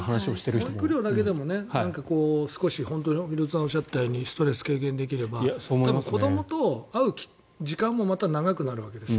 保育料だけでも少し廣津留さんがおっしゃったようにストレス軽減できれば多分、子どもと会う時間もまた長くなるわけですよ。